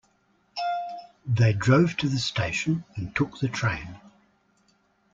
They drove to the station and took the train.